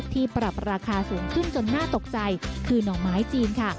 ปรับราคาสูงขึ้นจนน่าตกใจคือหน่อไม้จีนค่ะ